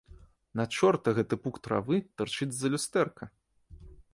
На чорта гэты пук травы тырчыць з-за люстэрка?